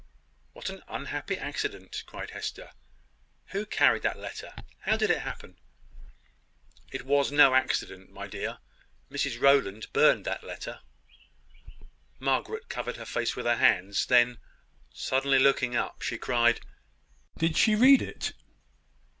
"What an unhappy accident!" cried Hester. "Who carried that letter? How did it happen?" "It was no accident, my dear. Mrs Rowland burned that letter." Margaret covered her face with her hands; then, suddenly looking up, she cried: "Did she read it?"